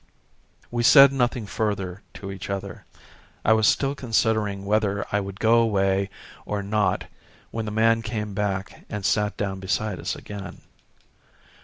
We said nothing further to each other. I was still considering whether I would go away or not when the man came back and sat down beside us again.